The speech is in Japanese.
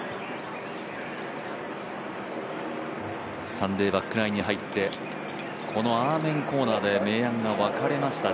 サンデーバックナインに入って、このアーメンコーナーで明暗が分かれました。